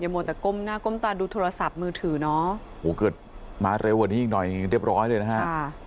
มัวแต่ก้มหน้าก้มตาดูโทรศัพท์มือถือเนาะโอ้โหเกิดมาเร็วกว่านี้อีกหน่อยเรียบร้อยเลยนะฮะ